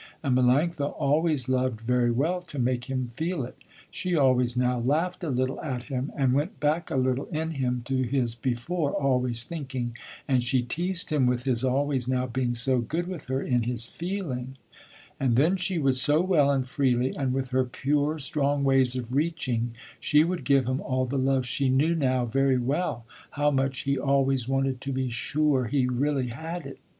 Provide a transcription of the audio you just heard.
And Melanctha always loved very well to make him feel it. She always now laughed a little at him, and went back a little in him to his before, always thinking, and she teased him with his always now being so good with her in his feeling, and then she would so well and freely, and with her pure, strong ways of reaching, she would give him all the love she knew now very well, how much he always wanted to be sure he really had it.